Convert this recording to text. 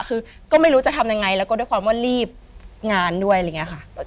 คือก็ไม่รู้จะทำยังไงแล้วก็ด้วยความว่ารีบงานด้วยอะไรอย่างนี้ค่ะ